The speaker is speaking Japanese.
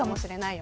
よ